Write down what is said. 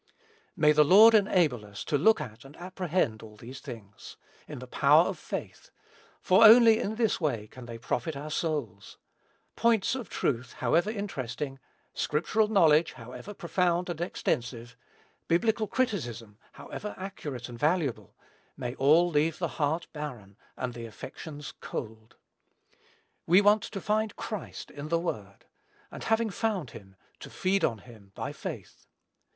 May the Lord enable us to look at and apprehend all these things, in the power of faith; for only in this way can they profit our souls. Points of truth, however interesting; scriptural knowledge, however profound and extensive; Biblical criticism, however accurate and valuable, may all leave the heart barren, and the affections cold. We want to find Christ in the Word; and, having found him, to feed on him by faith.